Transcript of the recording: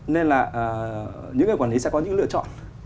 nên là những người quản lý sẽ có những lựa chọn